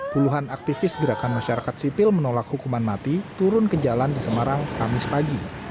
puluhan aktivis gerakan masyarakat sipil menolak hukuman mati turun ke jalan di semarang kamis pagi